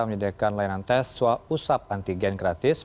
menyediakan layanan tes swab usap antigen gratis